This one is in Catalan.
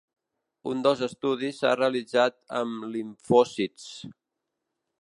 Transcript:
Un dels estudis s'ha realitzat amb limfòcits.